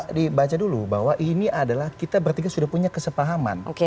harus dibaca dulu bahwa ini adalah kita bertiga sudah punya kesepahaman